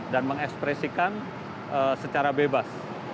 dan mengekspresikan secara bebas